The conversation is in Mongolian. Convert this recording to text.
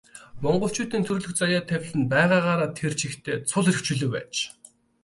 Монголчуудын төрөлх заяа тавилан нь байгаагаараа тэр чигтээ цул эрх чөлөө байж.